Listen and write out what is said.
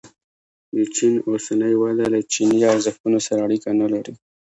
د چین اوسنۍ وده له چیني ارزښتونو سره اړیکه نه لري.